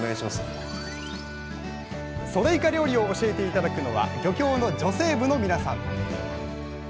ソデイカ料理を教えて頂くのは漁協の女性部の皆さん